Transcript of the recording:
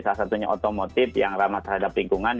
salah satunya otomotif yang ramah terhadap lingkungan